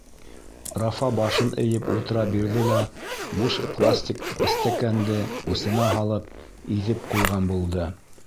Рафа башын эйеп ултыра бирҙе лә, буш пластик эстәкәнде усына һалып иҙеп ҡуйған булды.